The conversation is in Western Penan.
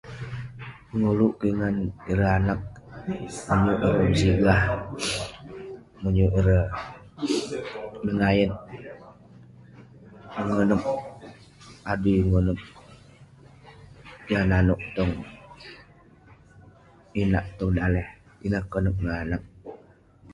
Pengoluk kik ngan ireh anag, menyuk ireh mesigah, penyuk ireh nengayet, mengonep adui, mengonep yah nanouk tong inak, tong daleh. Ineh konep kik anag.